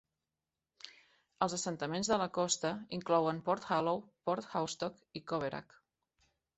Els assentaments de la costa inclouen Porthallow, Porthoustock i Coverack.